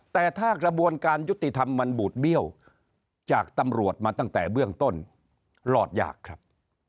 แต่ถ้ากระบวนการยุติธรรมมันบูดเบี้ยวจากตำรวจมาตั้งแต่เบื้องต้นรอดยากครับ